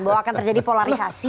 bahwa akan terjadi polarisasi